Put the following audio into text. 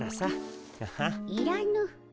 いらぬ。